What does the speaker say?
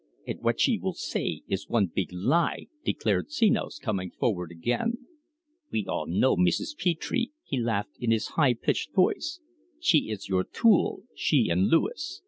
"And what she will say is one big lie," declared Senos, coming forward again. "We all know Mrs. Petre," he laughed in his high pitched voice; "she is your tool she and Luis.